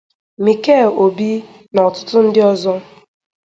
Mikel Obi na ọtụtụ ndi ọzọ.